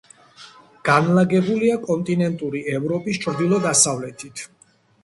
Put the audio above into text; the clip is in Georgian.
განლაგებულია კონტინენტური ევროპის ჩრდილო-დასავლეთით.